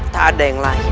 tak ada yang lain